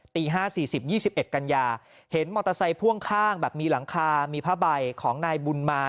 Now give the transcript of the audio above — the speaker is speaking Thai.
ตี๕๔๐๒๑กันยาเห็นมอเตอร์ไซค์พ่วงข้างแบบมีหลังคามีผ้าใบของนายบุญมา